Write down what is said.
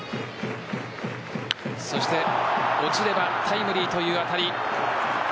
そして落ちればタイムリーという当たり。